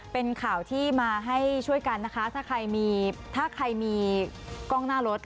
เป็นข่าวที่มาให้ช่วยกันนะคะถ้าใครมีถ้าใครมีกล้องหน้ารถ